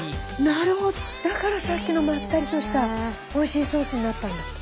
なるほどだからさっきのまったりとしたおいしいソースになったんだ。